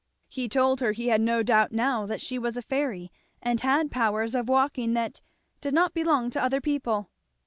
He told her he had no doubt now that she was a fairy and had powers of walking that did not belong to other people.